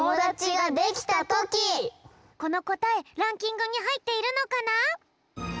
このこたえランキングにはいっているのかな？